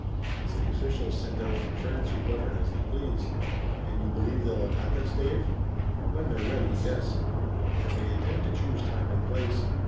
It's the officials sent out from France who govern as they please." "And you believe they'll attack us, Dave?" "When they're ready, yes, but they intend to choose time and place.